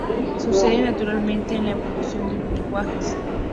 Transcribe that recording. Sucede naturalmente en la evolución de los lenguajes.